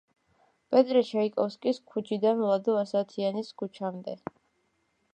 პეტრე ჩაიკოვსკის ქუჩიდან ლადო ასათიანის ქუჩამდე.